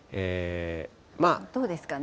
どうですかね。